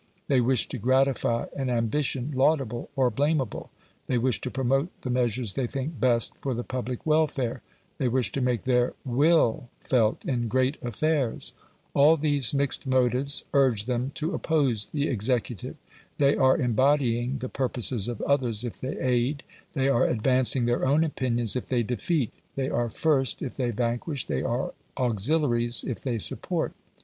They wish to gratify an ambition laudable or blamable; they wish to promote the measures they think best for the public welfare; they wish to make their WILL felt in great affairs. All these mixed motives urge them to oppose the executive. They are embodying the purposes of others if they aid; they are advancing their own opinions if they defeat: they are first if they vanquish; they are auxiliaries if they support.